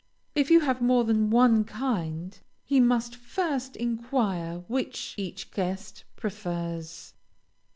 If you have more than one kind, he must first inquire which each guest prefers.